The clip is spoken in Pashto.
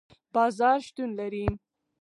بازار شتون لري